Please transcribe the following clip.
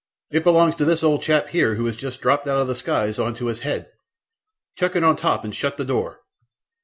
It belongs to this old chap here who has just dropped out of the skies on to his head; chuck it on top and shut the door!"